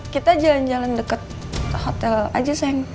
kita jalan jalan dekat hotel aja sayang